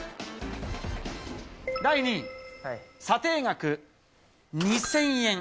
第２位、査定額２０００円。